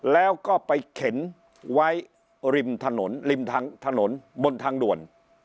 แล้วก็ไปเข็นไว้ริมถนนริมทางถนนบนทางด่วน